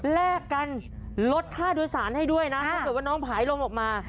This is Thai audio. แลกกันลดค่าโดยสารให้ด้วยนะถ้าเกิดว่าน้องผายลมออกมา